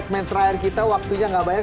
ini segmen terakhir kita waktunya nggak banyak